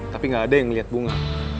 tapi gak ada yang melihat bunga